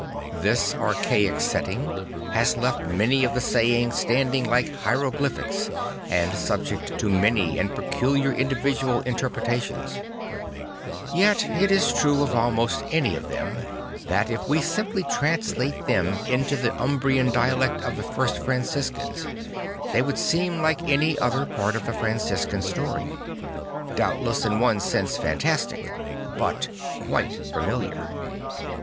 This archaic setting has left many of the sayings standing like hieroglyphics and subject to many and peculiar individual interpretations, Yet it is true of almost any of them that if we simply translate them into the Umbrian dialect of the first Franciscans, they would seem like any other part of the Franciscan story; doubtless in one sense fantastic, but quite familiar.